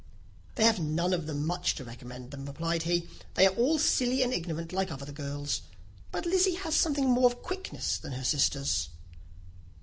"They have none of them much to recommend them," replied he: "they are all silly and ignorant like other girls; but Lizzy has something more of quickness than her sisters."